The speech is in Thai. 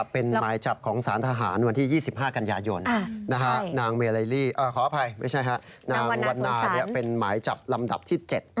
เป็นหมายจับของศาลทหารวันที่๒๕กันยายนนางวันนาเป็นหมายจับลำดับที่๗